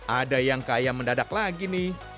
ada yang kaya mendadak lagi nih